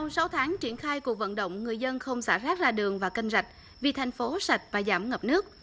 sau sáu tháng triển khai cuộc vận động người dân không xả rác ra đường và kênh rạch vì thành phố sạch và giảm ngập nước